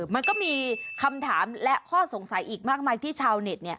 มันก็มีคำถามและข้อสงสัยอีกมากมายที่ชาวเน็ต